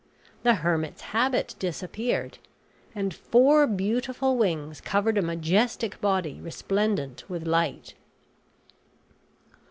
The hermit's habit disappeared, and four beautiful wings covered a majestic body resplendent with light.